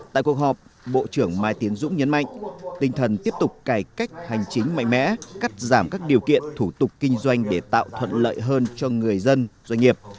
tại cuộc họp bộ trưởng mai tiến dũng nhấn mạnh tinh thần tiếp tục cải cách hành chính mạnh mẽ cắt giảm các điều kiện thủ tục kinh doanh để tạo thuận lợi hơn cho người dân doanh nghiệp